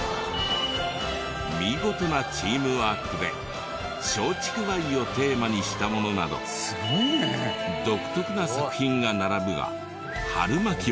見事なチームワークで松竹梅をテーマにしたものなど独特な作品が並ぶがはるまきは。